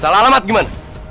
salah alamat gimana